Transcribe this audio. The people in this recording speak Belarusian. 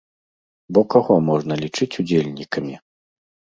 Бо каго можна лічыць удзельнікамі?